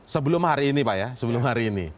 sebelum hari ini pak ya sebelum hari ini